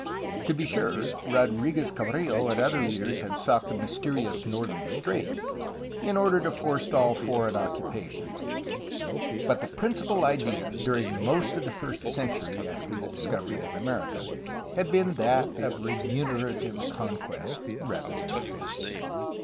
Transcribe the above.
To be sure, Rodriguez Cabrillo and other leaders had sought the mys terious northern strait in order to forestall foreign occupa tion, but the principal ideal during most of the first century after the discovery of America had been that of remunera tive conquest, rather than defence.